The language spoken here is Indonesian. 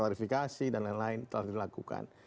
klarifikasi dan lain lain telah dilakukan